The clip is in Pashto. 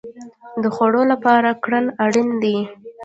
د خوړو لپاره کرنه اړین ده